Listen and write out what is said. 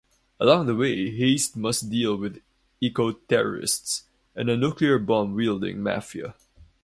Along the way Hayes must deal with eco-terrorists, and a nuclear bomb wielding Mafia.